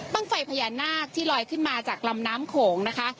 ไฟพญานาคที่ลอยขึ้นมาจากลำน้ำโขงนะคะ